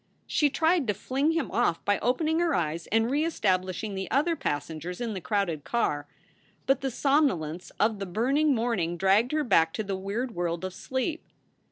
She tried to fling him off by opening her eyes and re estab lishing the other passengers in the crowded car, but the SOULS FOR SAL S somnolence of the burning morning dragged her back to the weird world of sleep.